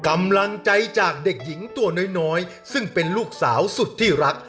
กำลังใจจากเด็กหญิงตัวน้อยซึ่งเป็นลูกสาวสุดที่รัก